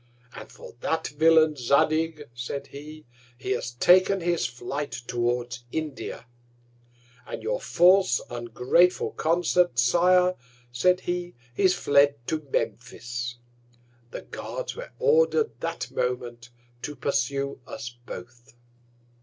As for that Villain Zadig, said he, he has taken his Flight towards India; and your false, ungrateful Consort, Sire, said he, is fled to Memphis. The Guards were order'd that Moment to pursue us both.